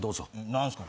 何ですか？